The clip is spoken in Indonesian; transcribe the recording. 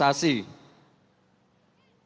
untuk komoditas pertambangan